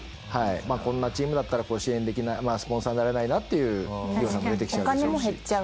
こんなチームだったら支援できないスポンサーになれないなっていう企業さんも出てきちゃうでしょうし。